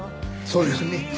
そうですね。